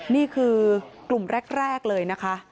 นี่คือกลุ่มแรกเลยนะคะ